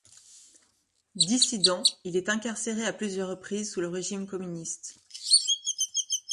Dissident, il est incarcéré à plusieurs reprises sous le régime communiste.